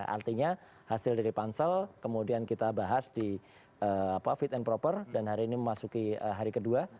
artinya hasil dari pansel kemudian kita bahas di fit and proper dan hari ini memasuki hari kedua